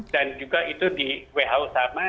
dan juga itu di who sama